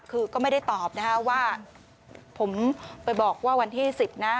คือก็ไม่ได้ตอบนะฮะว่าผมไปบอกว่าวันที่๑๐นะ